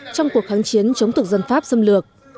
trong cuộc kháng chiến chống thực dân pháp xâm lược